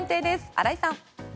荒井さん。